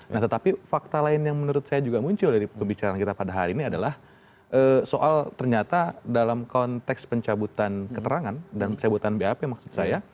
nah tetapi fakta lain yang menurut saya juga muncul dari pembicaraan kita pada hari ini adalah soal ternyata dalam konteks pencabutan keterangan dan pencabutan bap maksud saya